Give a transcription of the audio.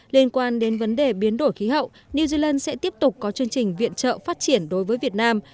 liên quan đến vấn đề biến đổi khí hậu new zealand sẽ tiếp tục có chương trình viện trợ phát triển đối với việt nam